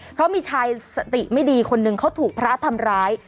เพราะมีชายสติไม่ดีคนนึงเขาถูกพระทำร้าย